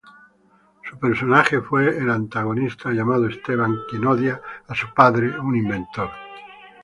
Su personaje fue el antagonista llamado Esteban, quien odia a su padre, un inventor.